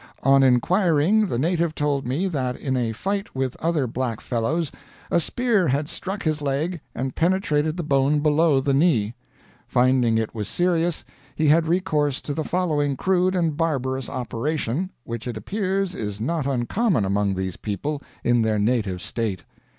On inquiring, the native told me that in a fight with other black fellows a spear had struck his leg and penetrated the bone below the knee. Finding it was serious, he had recourse to the following crude and barbarous operation, which it appears is not uncommon among these people in their native state.